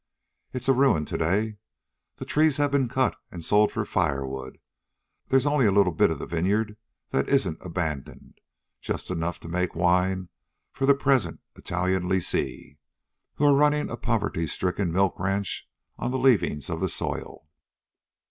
It's a ruin to day. The trees have been cut and sold for firewood. There's only a little bit of the vineyard that isn't abandoned just enough to make wine for the present Italian lessees, who are running a poverty stricken milk ranch on the leavings of the soil.